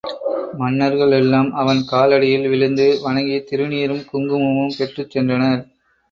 மன்னர்கள் எல்லாம் அவன் காலடியில் விழுந்து வணங்கித் திருநீறும் குங்குமமும் பெற்றுச் சென்றனர்.